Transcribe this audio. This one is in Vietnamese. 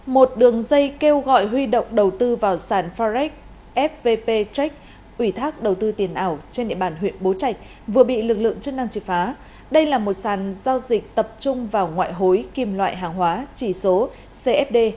một đường dây kêu gọi huy động đầu tư vào sàn forex fpp check ủy thác đầu tư tiền ảo trên địa bàn huyện bố trạch vừa bị lực lượng chức năng trị phá đây là một sàn giao dịch tập trung vào ngoại hối kim loại hàng hóa chỉ số cfd